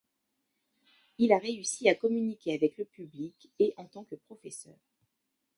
Il a réussi à communiquer avec le public et en tant que professeur.